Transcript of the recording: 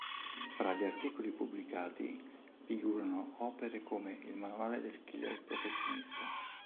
Fra gli articoli pubblicati figurarono opere come "Il manuale del killer professionista".